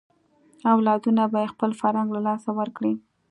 اولادونه به یې خپل فرهنګ له لاسه ورکړي.